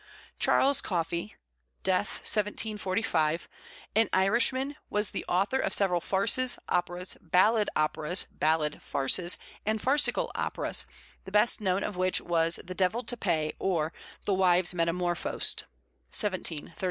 Charles Coffey (d. 1745), an Irishman, was the author of several farces, operas, ballad operas, ballad farces, and farcical operas, the best known of which was The Devil to Pay, or the Wives Metamorphosed (1731).